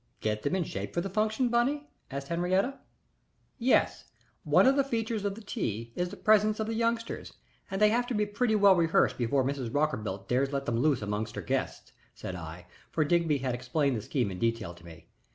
"Get them in shape for the function, Bunny?" asked Henriette. "Yes; one of the features of the tea is the presence of the youngsters, and they have to be pretty well rehearsed before Mrs. Rockerbilt dares let them loose among her guests," said I, for Digby had explained the scheme in detail to me.